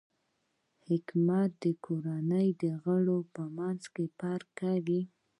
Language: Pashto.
حکمت د کورنۍ د غړو په منځ کې فرق کوي.